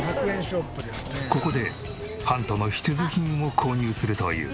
ここでハントの必需品を購入するという。